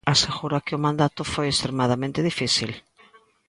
Asegura que o mandato foi extremadamente difícil.